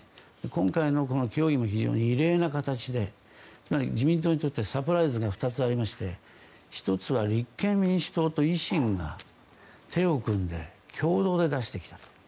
今回の協議も非常に異例な形で自民党にとってサプライズが２つありまして１つは立憲民主党と維新が手を組んで共同で出してきたと。